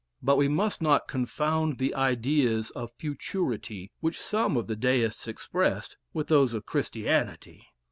But we must not confound the ideas of futurity, which some of the Deists expressed, with those of Christianity.